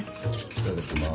いただきます。